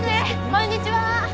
こんにちは。